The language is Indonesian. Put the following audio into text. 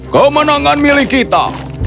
kemenangan milik kita